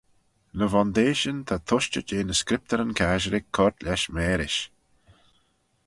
Ny vondeishyn ta tushtey jeh ny Scriptyryn Casherick coyrt lesh mârish.